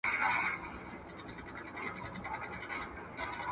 د لويي جرګې جوړولو ځای ولي معمولا د هیواد په پلازمېنه کابل کي وي؟